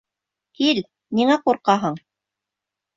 Кил, ниңә ҡурҡаһың?